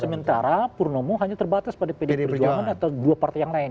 sementara purnomo hanya terbatas pada pdi perjuangan atau dua partai yang lain